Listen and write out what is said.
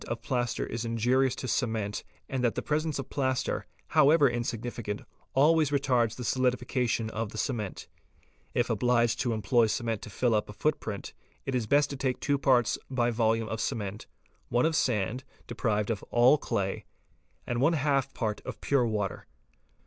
of plaster is injurious to cement and that the REPRODUCTION OF FOOTPRINTS 545 presence of plaster, however insignificant, always retards the solidifica tion of the cement. If obliged to employ cement to fill up a footprint, it is best to take 2 parts by volume of cement, one of sand (deprived of all clay), and one half part of pure water.